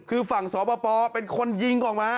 คือฝั่งสปเป็นคนยิงออกมา